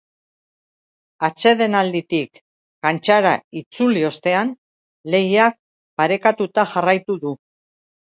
Atsedenalditik kantxara itzuli ostean, lehiak parekatuta jarraitu du.